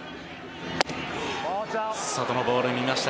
外のボール、見ました。